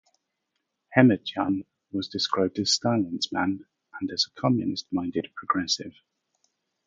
Ehmetjan was described as "Stalin's man" and as a "communist-minded progressive".